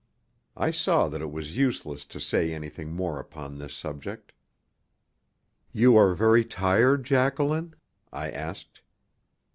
I saw that it was useless to say anything more upon this subject. "You are very tired, Jacqueline?" I asked.